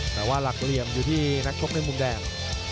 แต่ว่าหลักเหลี่ยมอยู่ที่นักชกในมุมแดง